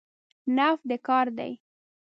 نفت د کار دی.